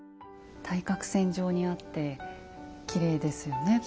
対角線上にあってきれいですよね。